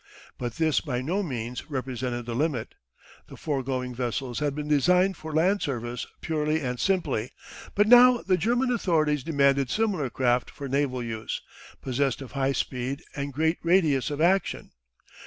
But this by no means represented the limit. The foregoing vessels had been designed for land service purely and simply, but now the German authorities demanded similar craft for naval use, possessed of high speed and greater radius of action.